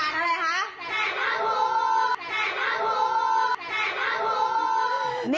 สารพระภูมิ